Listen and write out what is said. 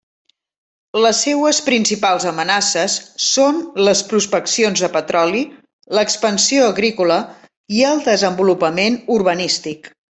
Les seues principals amenaces són les prospeccions de petroli, l'expansió agrícola i el desenvolupament urbanístic.